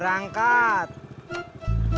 jangan aku mau